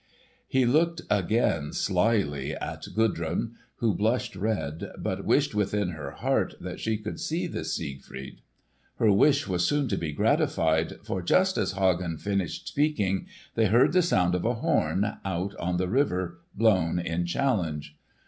He looked again slyly at Gudrun, who blushed red, but wished within her heart that she could see this Siegfried. Her wish was soon to be gratified, for just as Hagen finished speaking they heard the sound of a horn, out on the river, blown in challenge.